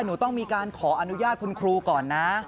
หนูต้องมีการขออนุญาตคุณครูก่อนนะ